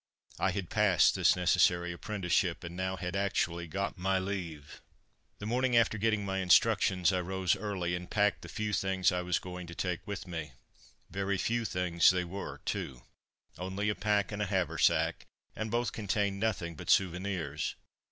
I had passed this necessary apprenticeship, and now had actually got my leave. [Illustration: Leave!!!] The morning after getting my instructions I rose early, and packed the few things I was going to take with me. Very few things they were, too. Only a pack and a haversack, and both contained nothing but souvenirs.